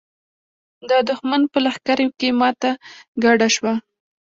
د دښمن په لښکر کې ماته ګډه شوه.